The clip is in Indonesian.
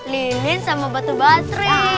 linin sama batu bateri